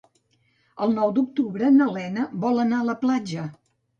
El nou d'octubre na Lena vol anar a la platja.